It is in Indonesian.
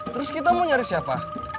terus kita mau nyari siapa